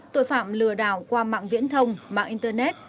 tội phạm lừa đảo qua mạng viễn thông mạng internet